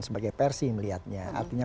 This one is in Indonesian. sebagai persi melihatnya artinya